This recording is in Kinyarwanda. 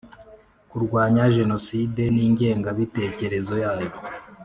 Kurwanya jenoside n ingengabitekerezo yayo